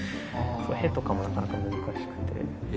「ヘ」とかもなかなか難しくて。